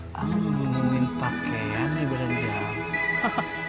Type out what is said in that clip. paang nemuin pakaiannya badan si janggo